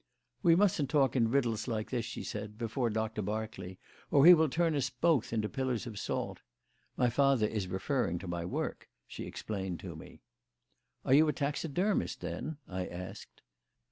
"We mustn't talk in riddles like this," she said, "before Doctor Berkeley, or he will turn us both into pillars of salt. My father is referring to my work," she explained to me. "Are you a taxidermist, then?" I asked.